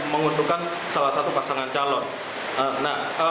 menguntungkan salah satu pasangan calon